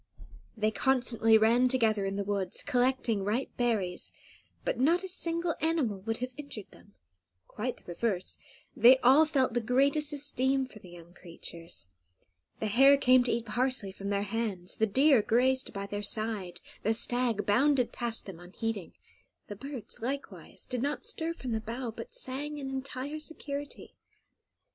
They constantly ran together in the woods, collecting ripe berries; but not a single animal would have injured them; quite the reverse, they all felt the greatest esteem for the young creatures. The hare came to eat parsley from their hands, the deer grazed by their side, the stag bounded past them unheeding; the birds, likewise, did not stir from the bough, but sang in entire security.